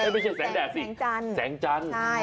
ไม่ใช่แสงแดดสิแสงจันทร์